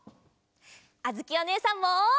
あづきおねえさんも！